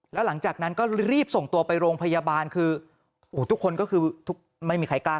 แล้วหลังจากนั้นก็รีบส่งตัวไปโรงพยาบาลคือทุกคนก็คือไม่มีใครกล้า